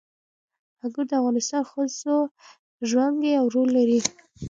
انګور د افغان ښځو په ژوند کې یو رول لري.